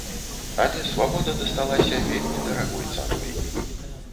Але свабода дасталася вельмі дарагой цаной.